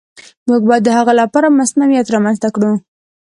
موږ باید د هغه لپاره مصونیت رامنځته کړو.